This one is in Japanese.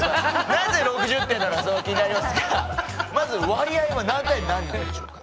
なぜ６０点なのか気になりますがまず割合は何対何なんでしょうか？